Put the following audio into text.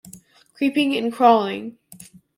Creeping and crawling.